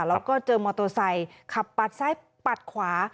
แล้วก็เจอมอเตอร์ไซค์ขับปัดซ้ายปัดขวา